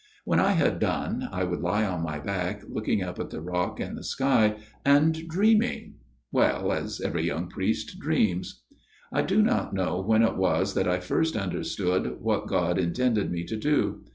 When I had done I would lie on my back, looking up at the rock and the sky, and dreaming well, as every young priest dreams. " I do not know when it was that I first under stood what God intended me to do.